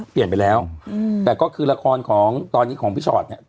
เปลี่ยนไปแล้วแต่ก็คือละครของตอนนี้ของพี่ชอตเนี่ย